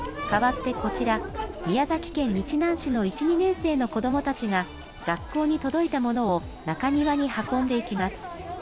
かわってこちら、宮崎県日南市の１、２年生の子どもたちが、学校に届いたものを中庭に運んでいきます。